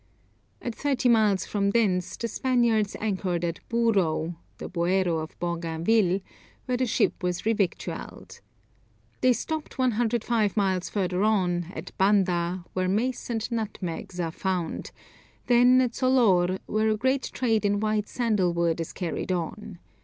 At thirty miles from thence the Spaniards anchored at Booro, (the Boero of Bougainville), where the ship was revictualled. They stopped 105 miles further on, at Banda, where mace and nutmegs are found, then at Solor, where a great trade in white sandal wood is carried on.